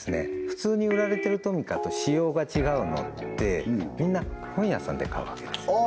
普通に売られてるトミカと仕様が違うのでみんな本屋さんで買うわけですよ